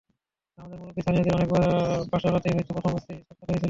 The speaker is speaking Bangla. আমাদের মুরব্বি স্থানীয়দের অনেকের বাসর রাতেই হয়তো প্রথম স্বামী-স্ত্রীর সাক্ষাৎ হয়েছিল।